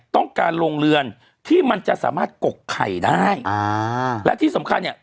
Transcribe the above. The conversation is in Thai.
ต้องการโรงเรือนที่มันจะสามารถกกไข่ได้อ่าและที่สำคัญเนี่ย